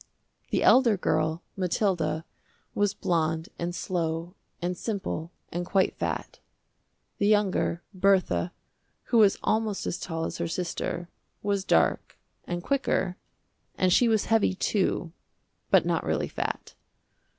The elder girl, Mathilda, was blonde, and slow, and simple, and quite fat. The younger, Bertha, who was almost as tall as her sister, was dark, and quicker, and she was heavy, too, but not really fat.